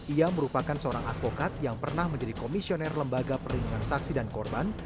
ia merupakan seorang advokat yang pernah menjadi komisioner lembaga perlindungan saksi dan korban